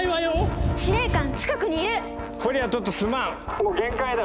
「もう限界だ！